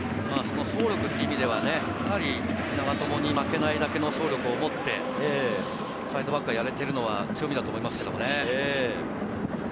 走力という意味では長友に負けないだけの走力を持って、サイドバックがやれているのは強みだと思いますね。